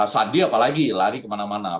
sandi apalagi lari kemana mana